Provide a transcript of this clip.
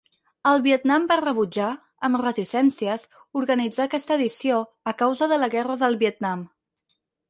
El Vietnam va rebutjar, amb reticències, organitzar aquesta edició a causa de la Guerra del Vietnam.